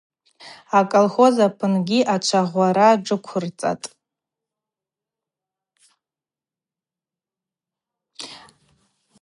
Аколхоз апынгьи ачвагъвара джвыквырцӏатӏ.